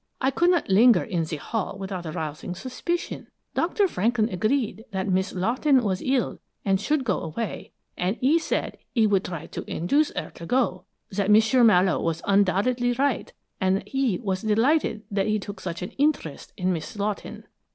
I could not linger in the hall without arousing suspicion. Dr. Franklin agreed that Miss Lawton was ill and should go away, and he said he would try to induce her to go that M'sieu Mallowe was undoubtedly right, and he was delighted that he took such an interest in Miss Lawton."